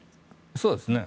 そうですね。